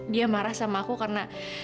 dia marah sama aku karena